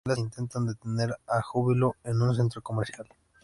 Más tarde, los Centinelas intentan detener a Júbilo en un centro comercial.